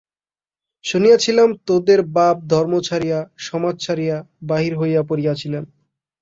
শুনিয়াছিলাম তোদের বাপ ধর্ম ছাড়িয়া, সমাজ ছাড়িয়া বাহির হইয়া পড়িয়াছিলেন।